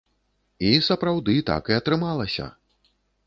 І, сапраўды, так і атрымалася!!!